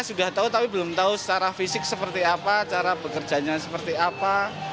saya sudah tahu tapi belum tahu secara fisik seperti apa cara bekerjanya seperti apa